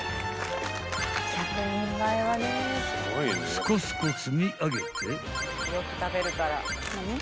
［スコスコ積み上げて］